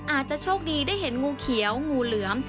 อาจจะโชคดีได้เห็นงูเขียวงูเหลือม